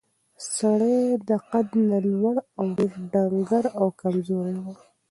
سړی له قد نه لوړ او ډېر ډنګر او کمزوری و.